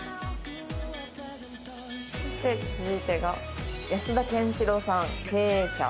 そして続いてが保田賢士郎さん経営者。